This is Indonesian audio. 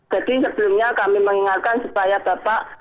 jadi sebelumnya kami mengingatkan supaya bapak